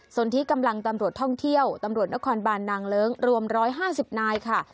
ส่วนที่กำลังตำรวจท่องเที่ยวตำรวจนครบานนางเลิ้งรวม๑๕๐นายค่ะ